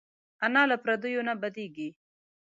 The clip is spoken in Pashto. انا له پردیو نه بدېږي